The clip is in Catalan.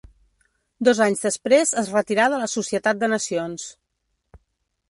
Dos anys després es retirà de la Societat de Nacions.